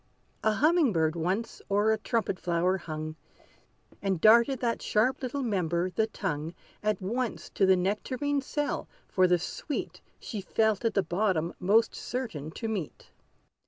A humming bird once o'er a trumpet flower hung, And darted that sharp little member, the tongue, At once to the nectarine cell, for the sweet She felt at the bottom most certain to meet.